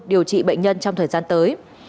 điều trị bệnh nhân trong thời gian tới